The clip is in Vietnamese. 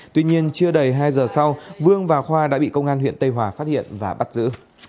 tuy nhiên chưa đầy hai giờ sau vương và khoa đã bị công an huyện tây hòa phát hiện và bắt giữ